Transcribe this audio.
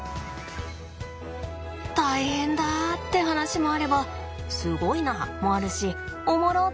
大変だって話もあればすごいなもあるしおもろっ！